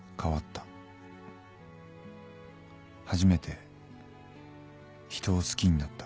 初めて人を好きになった。